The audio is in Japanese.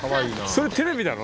それテレビなの？